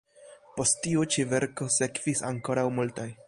Post tiu ĉi verko sekvis ankoraŭ multaj.